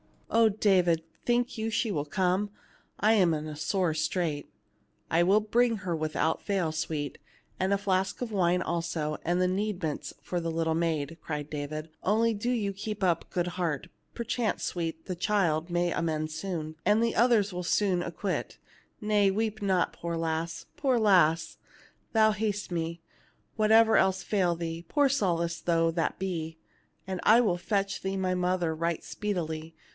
Oh, David, think you she will come ? I am in a sore strait." "I will bring her without fail, sweet, and a flask of wine also, and needments for the little maid," cried David. " Only do you keep up good heart. Perchance, sweet, the child will amend soon, and the others be soon acquit. Nay, weep not, poor lass ! poor lass ! Thou hast me, what ever else fail thee, poor solace though that be, and I will fetch thee my mother right speedily.